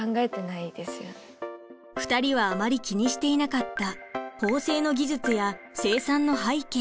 ２人はあまり気にしていなかった縫製の技術や生産の背景。